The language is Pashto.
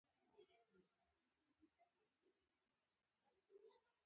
آیا د پښتنو په کلتور کې د چای جوش او پیالې ځانګړي نه دي؟